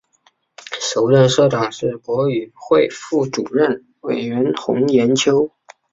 首任社长是国语会副主任委员洪炎秋。